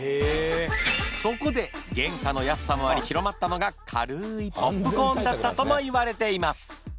そこで原価の安さもあり広まったのが軽いポップコーンだったともいわれています。